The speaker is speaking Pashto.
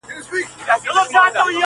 زما کار نسته بُتکده کي؛ تر کعبې پوري,